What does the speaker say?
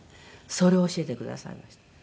それを教えてくださいました。